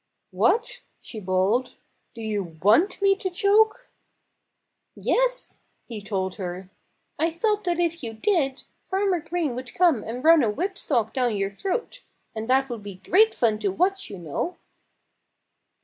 "What!" she bawled. "Do you want me to choke?" "Yes!" he told her. "I thought that if you did, Farmer Green would come and run a whip stock down your throat. And that would be great fun to watch, you know."